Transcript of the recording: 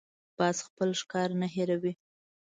باز خپل ښکار نه هېروي